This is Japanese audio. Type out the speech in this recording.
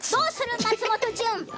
松本潤。